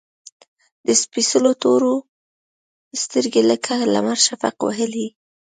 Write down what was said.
د سپیڅلو تورو، سترګې لکه لمر شفق وهلي